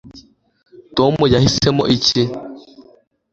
tom yahisemo iki